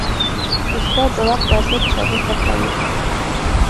استاد د وخت ارزښت شاګرد ته ښيي.